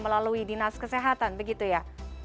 melalui dinas kesehatan begitu ya